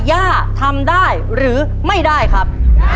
ย่าทำได้หรือไม่ได้ครับ